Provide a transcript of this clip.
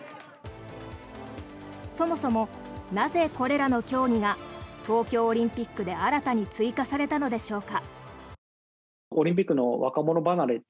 そもそも、なぜこれらの競技が東京オリンピックで新たに追加されたのでしょうか。